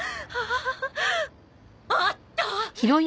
あった！